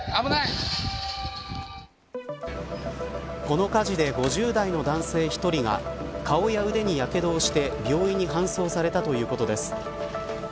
この火事で５０代の男性１人が顔や腕にやけどをして病院に搬送されたということです。